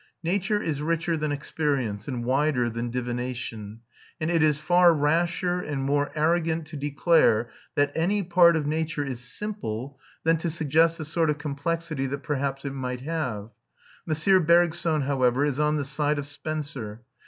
Nature is richer than experience and wider than divination; and it is far rasher and more arrogant to declare that any part of nature is simple than to suggest the sort of complexity that perhaps it might have. M. Bergson, however, is on the side of Spencer.